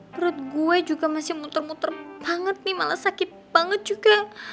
perut gue juga masih muter muter banget nih malah sakit banget juga